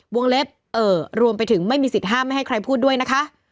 วงเล็บรวมไปถึงไม่มีสิทธิห้ามไม่ให้ใครพูดด้วยนะคะ